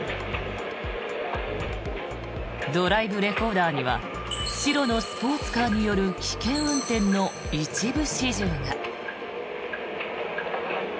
ドライブレコーダーには白のスポーツカーによる危険運転の一部始終が。